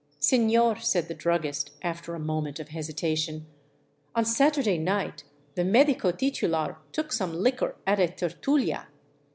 IUt. " Seiior," said the druggist, after a moment of hesitation, " on Sat ^Srday night the medico titular took some liquor at a tertulia.